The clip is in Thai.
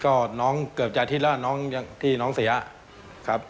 ก็น้องเกือบใจทิศแล้วที่น้องเสียครับ